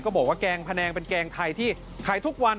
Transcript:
บอกว่าแกงพะแนงเป็นแกงไทยที่ขายทุกวัน